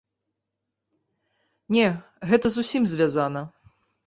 Не, гэта з усім звязана.